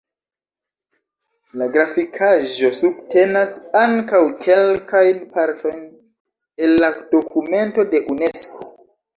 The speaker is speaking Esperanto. La grafikaĵo subtenas ankaŭ kelkajn partojn el la dokumento de Unesko.